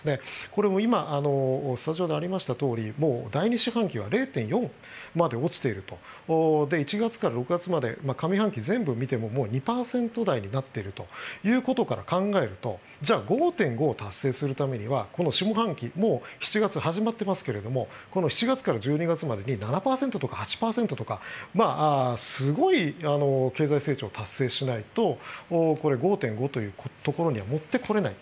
これも今スタジオでありましたとおり第２四半期は０．４まで落ちていると、１月から６月まで上半期全部見てももう２％台になっているということから考えるとじゃあ５．５を達成するには下半期もう７月、始まってますがこの７月から１２月までに７％とか８％とかすごい経済成長を達成しないとこれ、５．５というところには持ってこれない。